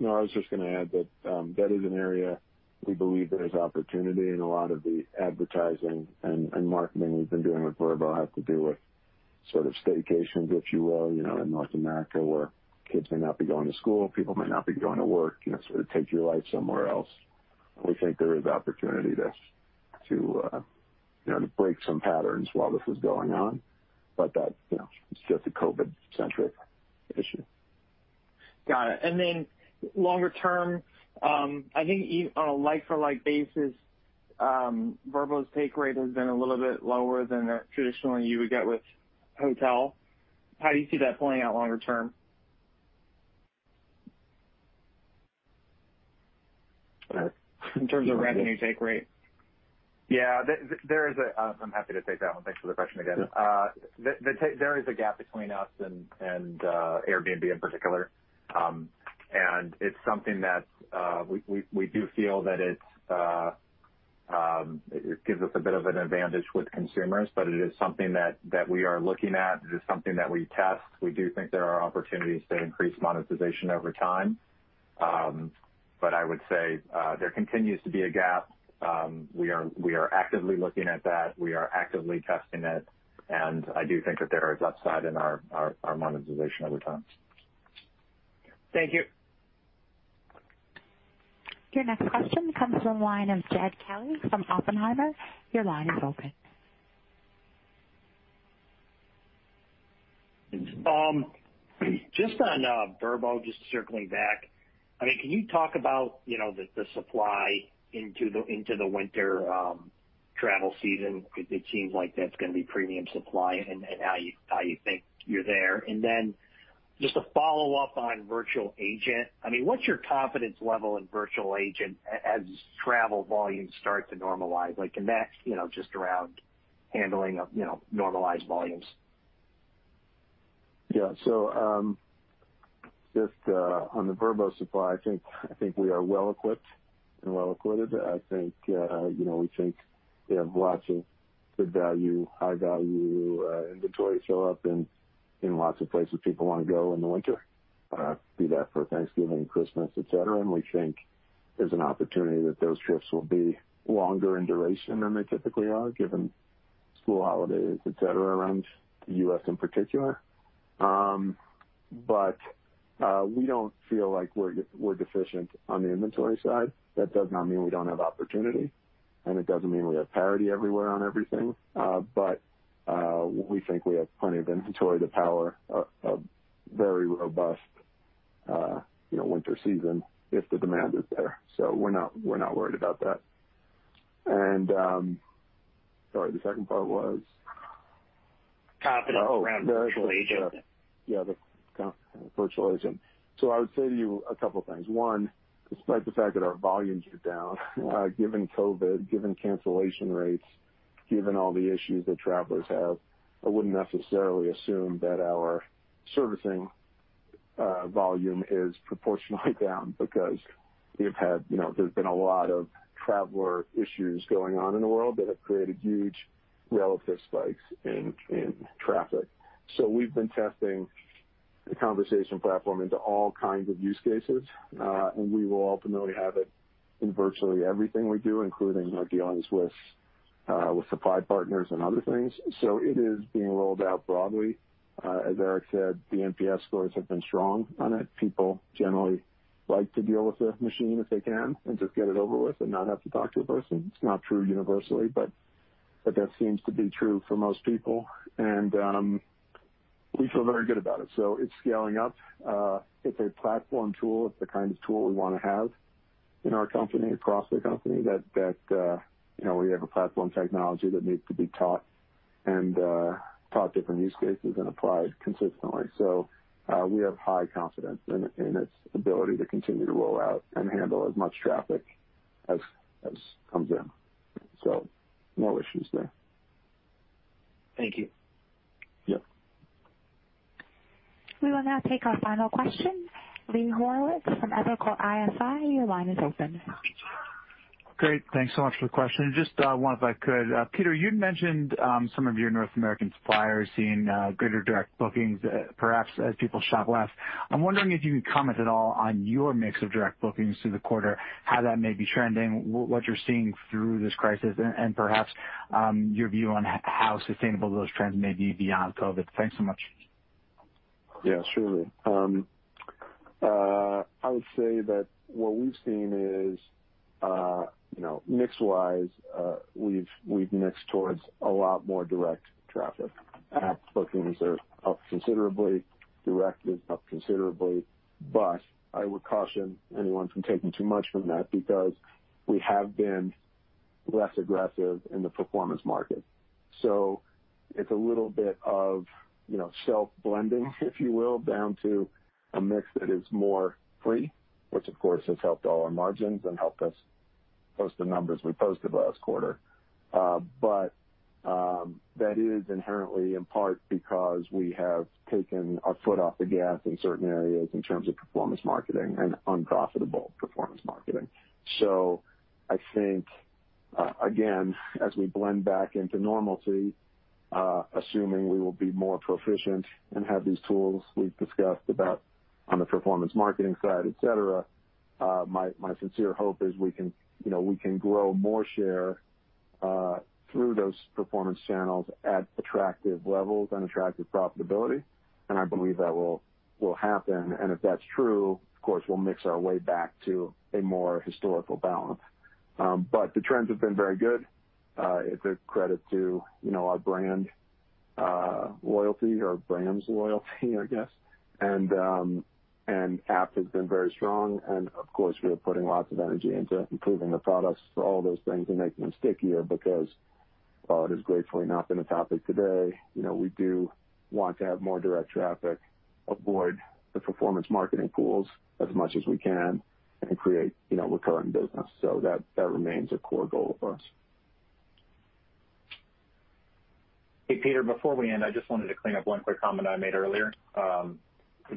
No, I was just going to add that is an area we believe there is opportunity and a lot of the advertising and marketing we've been doing with Vrbo have to do with sort of staycations, if you will, in North America where kids may not be going to school, people might not be going to work, sort of take your life somewhere else. We think there is opportunity to break some patterns while this is going on, but that is just a COVID-centric issue. Got it. Longer term, I think on a like-for-like basis, Vrbo's take rate has been a little bit lower than traditionally you would get with hotel. How do you see that playing out longer term? In terms of revenue take rate. Yeah. I'm happy to take that one. Thanks for the question again. Yeah. There is a gap between us and Airbnb in particular. It's something that we do feel that it gives us a bit of an advantage with consumers, but it is something that we are looking at. It is something that we test. We do think there are opportunities to increase monetization over time. I would say there continues to be a gap. We are actively looking at that. We are actively testing it, and I do think that there is upside in our monetization over time. Thank you. Your next question comes from the line of Jed Kelly from Oppenheimer. Your line is open. On Vrbo, just circling back, can you talk about the supply into the winter travel season? It seems like that's going to be premium supply and how you think you're there. Just a follow-up on virtual agent, what's your confidence level in virtual agent as travel volumes start to normalize, like in that just around handling of normalized volumes? Yeah. Just on the Vrbo supply, I think we are well-equipped and well-appointed. We think we have lots of good value, high-value inventory show up in lots of places people want to go in the winter, be that for Thanksgiving, Christmas, etc. We think there's an opportunity that those trips will be longer in duration than they typically are, given school holidays, etc, around the U.S. in particular. We don't feel like we're deficient on the inventory side. That does not mean we don't have opportunity, and it doesn't mean we have parity everywhere on everything. We think we have plenty of inventory to power a very robust winter season if the demand is there. We're not worried about that. Sorry, the second part was? Confidence around virtual agent. The virtual agent. I would say to you a couple things. One, despite the fact that our volumes are down given COVID, given cancellation rates, given all the issues that travelers have, I wouldn't necessarily assume that our servicing volume is proportionally down because there's been a lot of traveler issues going on in the world that have created huge relative spikes in traffic. We've been testing the conversation platform into all kinds of use cases. We will ultimately have it in virtually everything we do, including our dealings with supply partners and other things. It is being rolled out broadly. As Eric said, the NPS scores have been strong on it. People generally like to deal with the machine if they can and just get it over with and not have to talk to a person. It's not true universally, but that seems to be true for most people. We feel very good about it. It's scaling up. It's a platform tool. It's the kind of tool we want to have in our company, across the company, that we have a platform technology that needs to be taught and taught different use cases and applied consistently. We have high confidence in its ability to continue to roll out and handle as much traffic as comes in. No issues there. Thank you. Yep. We will now take our final question. Lee Horowitz from Evercore ISI, your line is open. Great. Thanks so much for the question. Just one, if I could. Peter, you'd mentioned some of your North American suppliers seeing greater direct bookings, perhaps as people shop less. I'm wondering if you could comment at all on your mix of direct bookings through the quarter, how that may be trending, what you're seeing through this crisis, and perhaps your view on how sustainable those trends may be beyond COVID. Thanks so much. Yeah, surely. I would say that what we've seen is mix-wise we've mixed towards a lot more direct traffic. App bookings are up considerably, direct is up considerably, but I would caution anyone from taking too much from that because we have been less aggressive in the performance marketing. It's a little bit of self-blending, if you will, down to a mix that is more free, which of course has helped all our margins and helped us post the numbers we posted last quarter. That is inherently in part because we have taken our foot off the gas in certain areas in terms of performance marketing and unprofitable performance marketing. I think, again, as we blend back into normalcy, assuming we will be more proficient and have these tools we've discussed about on the performance marketing side, etc., my sincere hope is we can grow more share through those performance channels at attractive levels and attractive profitability, and I believe that will happen. If that's true, of course, we'll mix our way back to a more historical balance. The trends have been very good. It's a credit to our brand loyalty or brand's loyalty, I guess. App has been very strong, and of course, we are putting lots of energy into improving the products for all those things and making them stickier because while it has gratefully not been a topic today, we do want to have more direct traffic, avoid the performance marketing pools as much as we can, and create recurring business. That remains a core goal for us. Hey, Peter, before we end, I just wanted to clean up one quick comment I made earlier.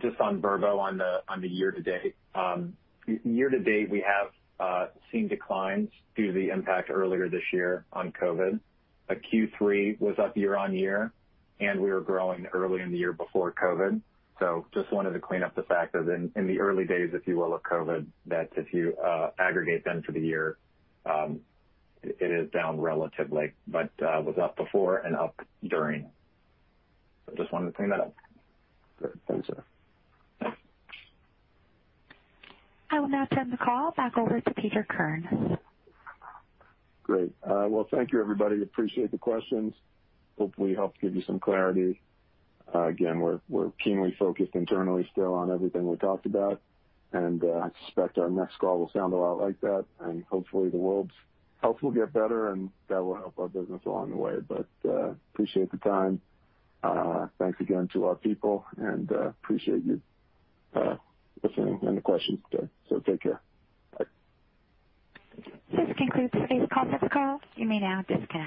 Just on Vrbo, on the year to date. Year to date, we have seen declines due to the impact earlier this year on COVID. Q3 was up year-on-year, and we were growing early in the year before COVID. Just wanted to clean up the fact that in the early days, if you will, of COVID, that if you aggregate them for the year, it is down relatively, but was up before and up during. Just wanted to clean that up. Good. Thanks, Eric. I will now turn the call back over to Peter Kern. Great. Well, thank you everybody. Appreciate the questions. Hopefully helped give you some clarity. Again, we're keenly focused internally still on everything we talked about, and I suspect our next call will sound a lot like that, and hopefully the world's health will get better, and that will help our business along the way. Appreciate the time. Thanks again to our people and appreciate you listening and the questions today. Take care. Bye. This concludes today's conference call. You may now disconnect.